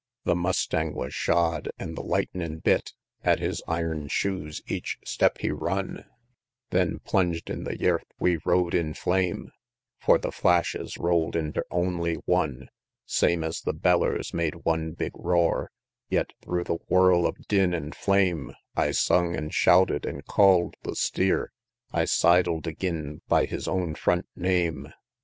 XXXVII. The mustang wus shod, an' the lightnin' bit At his iron shoes each step he run, Then plung'd in the yearth we rode in flame, Fur the flashes roll'd inter only one, Same es the bellers made one big roar; Yet thro' the whirl of din an' flame I sung an' shouted, an' call'd the steer I sidl'd agin by his own front name, XXXVIII.